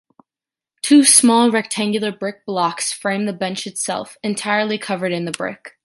Two small rectangular brick blocks frame the bench itself, entirely covered in brick.